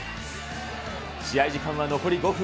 試合時間は残り５分。